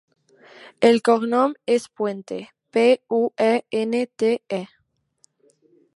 El cognom és Puente: pe, u, e, ena, te, e.